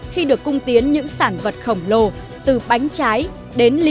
khi được cung tiến những sản vật khổng lồ từ bánh trái đến lễ hội